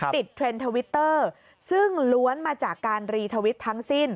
เทรนด์ทวิตเตอร์ซึ่งล้วนมาจากการรีทวิตทั้งสิ้น